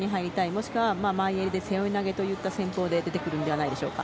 もしくは、前襟で背負い投げという戦法で出てくるのではないでしょうか。